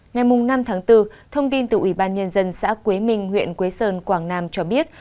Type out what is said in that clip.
ngày năm tháng bốn thông tin từ ủy ban nhân dân xã quế minh huyện quế sơn quảng nam cho biết